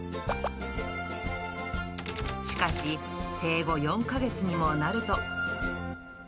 しかし、生後４か月にもなると。